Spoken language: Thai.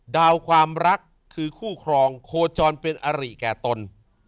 ความรักคือคู่ครองโคจรเป็นอริแก่ตน